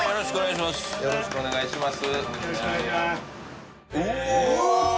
よろしくお願いします